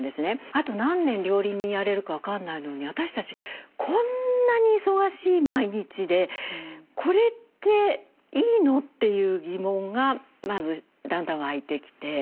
あと何年料理人やれるか分かんないのに私たちこんなに忙しい毎日で「これっていいの？」っていう疑問がまずだんだん湧いてきて。